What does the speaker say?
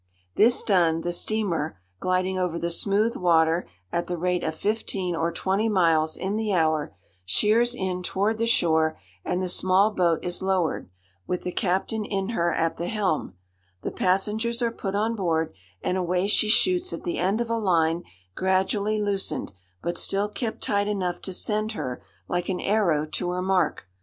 This done, the steamer, gliding over the smooth water at the rate of fifteen or twenty miles in the hour, sheers in toward the shore, and the small boat is lowered, with the captain in her at the helm; the passengers are put on board, and away she shoots at the end of a line gradually loosened, but still kept tight enough to send her, like an arrow to her mark.